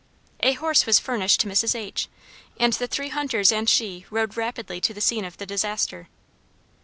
A horse was furnished to Mrs. H , and the three hunters and she rode rapidly to the scene of the disaster.